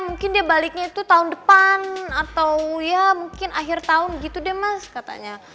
mungkin dia baliknya itu tahun depan atau ya mungkin akhir tahun gitu deh mas katanya